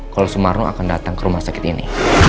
kalau sumarno akan datang ke rumah sakit ini